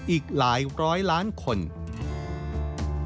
อีกหลายร้อยละที